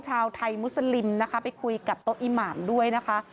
ชาวไทยมุสลิมนะคะไปคุยกับโต๊ะอีหมามด้วยนะคะ